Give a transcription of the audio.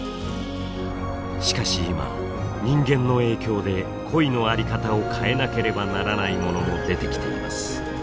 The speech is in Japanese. しかし今人間の影響で恋の在り方を変えなければならないものも出てきています。